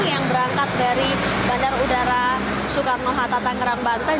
yang berangkat dari bandara udara soekarno hatta tangerang banten